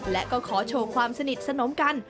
และก็ขอโชว์ความสนิทสนมกัน